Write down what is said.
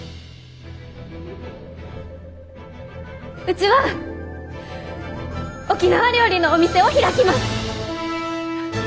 うちは沖縄料理のお店を開きます！